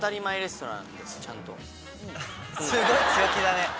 すごい強気だね。